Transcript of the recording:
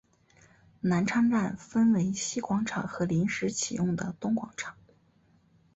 南昌站分为西广场和临时启用的东广场。